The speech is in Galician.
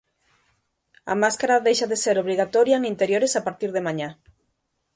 A máscara deixa de ser obrigatoria en interiores a partir de mañá.